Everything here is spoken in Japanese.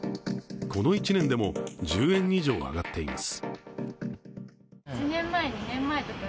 この１年でも１０円以上、上がっています。